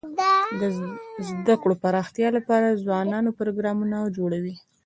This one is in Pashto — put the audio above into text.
د زده کړو د پراختیا لپاره ځوانان پروګرامونه جوړوي.